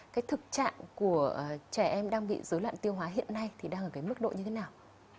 cái thực trạng của trẻ em đang bị dối loạn tiêu hóa hiện nay thì đang ở cái mức độ như thế nào